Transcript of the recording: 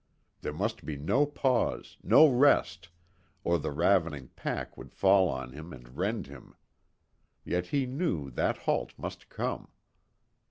There must be no pause, no rest, or the ravening pack would fall on him and rend him. Yet he knew that halt must come.